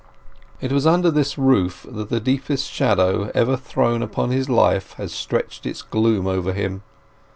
It was under this roof that the deepest shadow ever thrown upon his life had stretched its gloom over him.